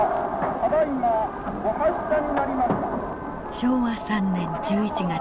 昭和３年１１月。